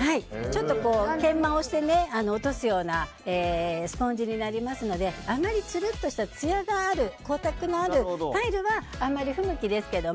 ちょっと研磨して落とすようなスポンジになりますのであまり、つるっとしたつやがある光沢のあるタイルはあまり不向きですけど。